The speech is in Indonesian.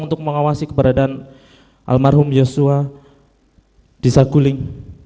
untuk mengawasi keberadaan almarhum yosua di saguling